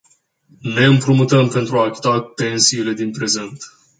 Ne împrumutăm pentru a achita pensiile din prezent.